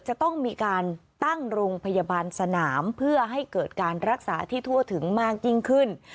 จะต้องมีการตั้งโรงพยาบาลสนามเพื่อให้เกิดการรักษาที่ทั่วถึงมากยิ่งขึ้น